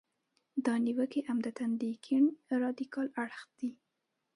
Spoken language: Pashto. دا نیوکې عمدتاً د کیڼ رادیکال اړخ دي.